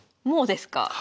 もうですか？